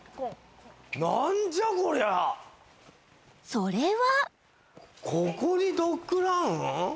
［それは］